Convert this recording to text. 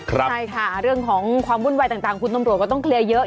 ใช่ค่ะเรื่องของความวุ่นวายต่างคุณตำรวจก็ต้องเคลียร์เยอะ